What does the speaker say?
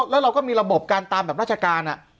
แล้วเราก็มีระบบการตามแบบราชการ